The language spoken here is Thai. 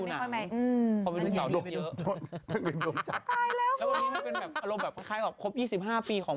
อเจมส์แต่เขาก็ต้องการทำยอดเพราะวันจันทร์เขาไม่ค่อยดูหนัง